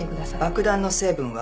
爆弾の成分は？